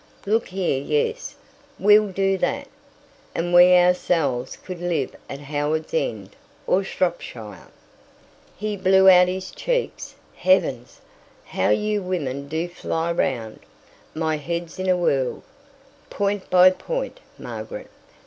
Look here yes. We'll do that. And we ourselves could live at Howards End or Shropshire." He blew out his cheeks. "Heavens! how you women do fly round! My head's in a whirl. Point by point, Margaret.